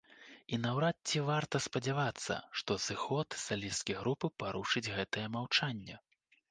І наўрад ці варта спадзявацца, што сыход салісткі групы парушыць гэтае маўчанне.